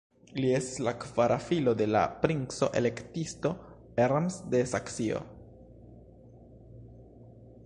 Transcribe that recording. Li estis la kvara filo de la princo-elektisto Ernst de Saksio.